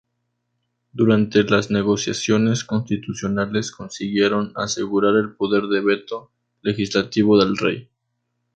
Durante las negociaciones constitucionales consiguieron asegurar el poder de veto legislativo del rey.